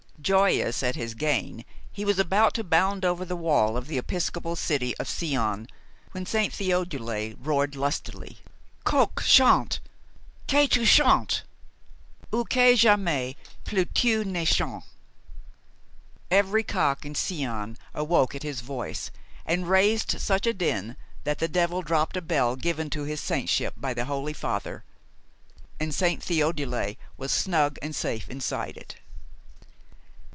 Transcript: Joyous at his gain, he was about to bound over the wall of the episcopal city of Sion, when St. Theodule roared lustily, "Coq, chante! Que tu chantes! Ou que jamais plus tu ne chantes!" Every cock in Sion awoke at his voice, and raised such a din that the devil dropped a bell given to his saintship by the Holy Father, and Saint Theodule was snug and safe inside it.